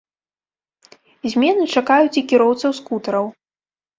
Змены чакаюць і кіроўцаў скутараў.